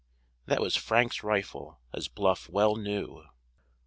That was Frank's rifle, as Bluff well knew.